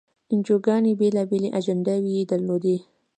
انجیوګانې بېلابېلې اجنډاوې یې درلودې.